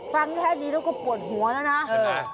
ฟังแค่นี้แล้วก็ปวดหัวแล้วนะ